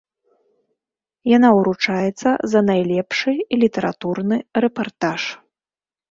Яна ўручаецца за найлепшы літаратурны рэпартаж.